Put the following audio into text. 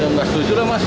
ya enggak setuju lah mas